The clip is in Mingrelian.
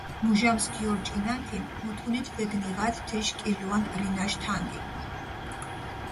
მუჟამს გიორჯგინანთინ, მუთუნით ვეგნიღათ თიშ კილუან რინაშ თანგი.